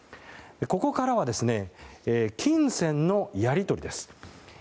ここからは金銭のやり取りです。